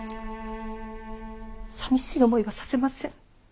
さみしい思いはさせません。